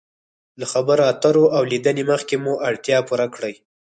له خبرو اترو او لیدنې مخکې مو اړتیا پوره کړئ.